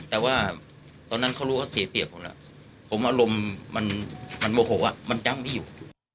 แต่ว่าตอนนั้นเขารู้เขาเสียเปรียบผมแล้วผมอารมณ์มันโมโหมันยั้งไม่อยู่